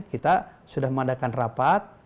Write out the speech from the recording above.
kita sudah memandakan rapat